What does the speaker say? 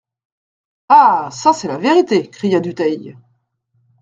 Ah ! ça, c'est la vérité, cria Dutheil.